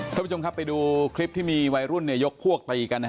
ท่านผู้ชมครับไปดูคลิปที่มีวัยรุ่นยกพวกตีกัน